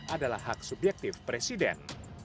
adalah hak subjektif presiden